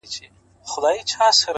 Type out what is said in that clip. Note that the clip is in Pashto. کله شات کله شکري پيدا کيږي،